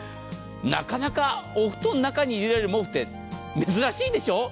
なかなかお布団を中に入れられる毛布って珍しいでしょう。